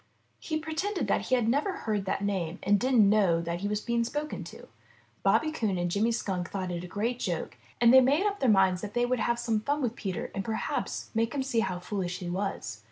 He pretended that he had never heard that name and didn't know that he was being spoken to. Bobby Coon and Jimmy Skunk thought it a great joke and they made up their minds that they would have some fun with Peter and perhaps make him see how foolish he was.